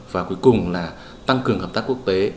và cuối cùng là tăng cường hợp tác quốc tế